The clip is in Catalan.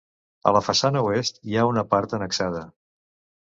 A la façana oest, hi ha una part annexada.